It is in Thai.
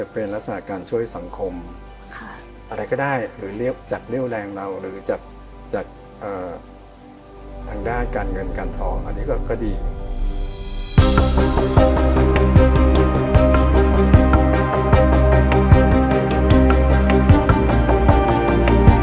โปรดติดตามตอนต่อไป